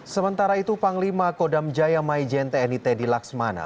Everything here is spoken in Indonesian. sementara itu panglima kodam jaya maijen tni teddy laksmana